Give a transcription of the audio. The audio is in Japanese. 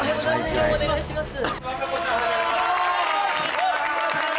今日お願いします